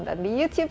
dan di youtube